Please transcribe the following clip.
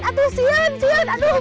aduh sian sian